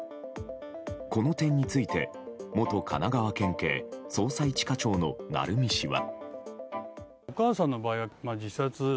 この点について元神奈川県警捜査１課長の鳴海氏は。